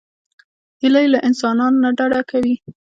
هیلۍ له انسانانو نه ډډه کوي